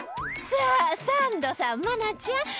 さあサンドさん愛菜ちゃん